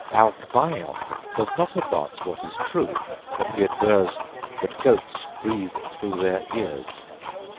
'Alcmaeon does not advance what is true, when he avers that goats breathe through their ears.